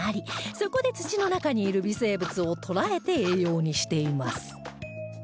そこで土の中にいる微生物を捕らえて栄養にしています